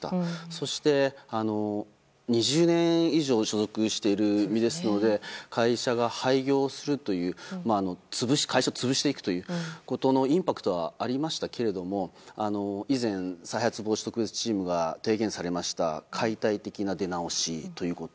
そして、２０年以上所属している身ですので会社が廃業するという会社を潰すということのインパクトはありましたが以前、再発防止特別チームが提言されました解体的な出直しということ。